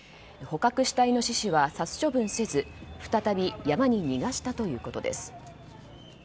捕獲したイノシシは殺処分せず再び山に逃がしたということです。